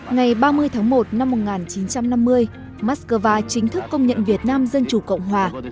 ngày ba mươi tháng một năm một nghìn chín trăm năm mươi mắc cơ va chính thức công nhận việt nam dân chủ cộng hòa